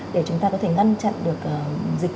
để chúng ta có thể ngăn chặn được covid một mươi chín